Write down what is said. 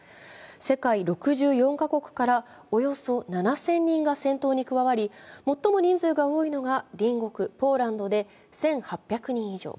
世界６４か国からおよそ７０００人が戦闘に加わり最も人数が多いのが隣国・ポーランドで１８００人以上。